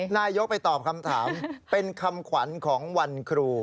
นายกไปตอบคำถามเป็นคำขวัญของวันครู